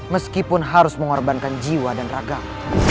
meskipun harus mengorbankan jiwa dan ragam